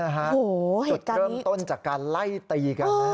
เหตุเกิดเชิงต้นจากการไล่ตี